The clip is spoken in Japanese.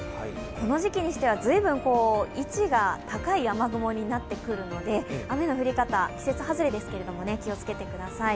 この時期にしてはずいぶん位置が高い雨雲になってくるので雨の降り方、季節外れですけれども気をつけてください。